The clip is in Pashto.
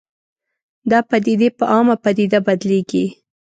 دا پدیدې په عامه پدیده بدلېږي